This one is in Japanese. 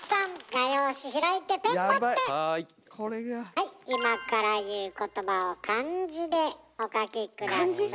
はい今から言う言葉を漢字でお書き下さい。